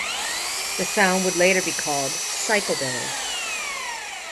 This sound would later be called psychobilly.